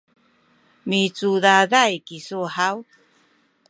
micudaday kisu haw?